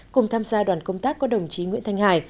cùng tham gia đoàn công tác có đồng chí nguyễn thanh hải